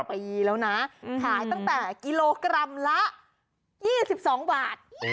ขายตั้งแต่กิโลกรัมละ๒๒บาท